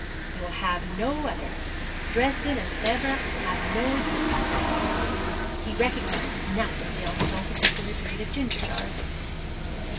He will have no other. Dresden and Sevres have no existence for him. He recognizes nothing beyond his own particular breed of ginger jars.'